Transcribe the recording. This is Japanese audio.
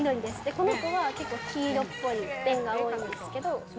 この子は黄色っぽい便が多いんですけれども。